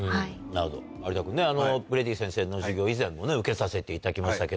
なるほど有田君ねブレイディ先生の授業以前もね受けさせていただきましたけども。